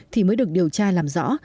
thì mới được điều tra làm rõ